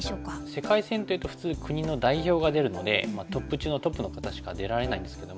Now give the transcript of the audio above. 世界戦というと普通国の代表が出るのでトップ中のトップの方しか出られないんですけども。